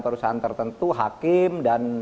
perusahaan tertentu hakim dan